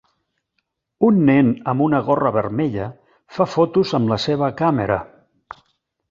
Un nen amb una gorra vermella fa fotos amb la seva càmera.